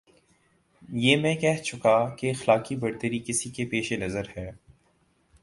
یہ میں کہہ چکا کہ اخلاقی برتری کسی کے پیش نظر ہے۔